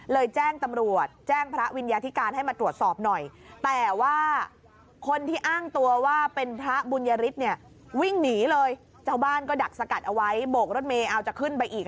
เลยแจ้งตำรวจแจ้งพระวิญญาธิการให้มาตรวจสอบหน่อย